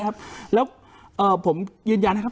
แล้วผมยืนยันนะครับ